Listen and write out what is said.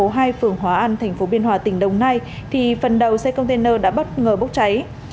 phường hòa an thành phố biên hòa tỉnh đồng nai thì phần đầu xe container đã bất ngờ bốc cháy